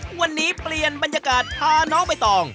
วันนี้เปลี่ยนบรรยากาศพาน้องใบตอง